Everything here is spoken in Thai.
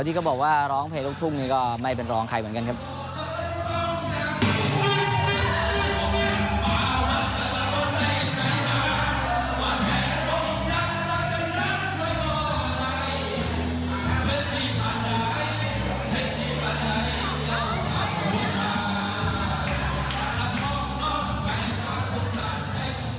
ที่ก็บอกว่าร้องเพลงลูกทุ่งนี้ก็ไม่เป็นรองใครเหมือนกันครับ